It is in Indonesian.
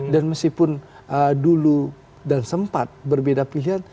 dan meskipun dulu dan sempat berbeda pilihan